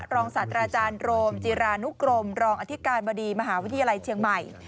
ศาสตราจารย์โรมจิรานุกรมรองอธิการบดีมหาวิทยาลัยเชียงใหม่